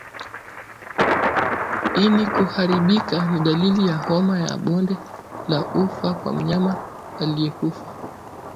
Ini kuharibika ni dalili za homa ya bonde la ufa kwa mnyama aliyekufa